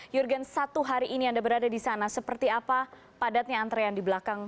jurgen satu hari ini anda berada di sana seperti apa padatnya antrean di belakang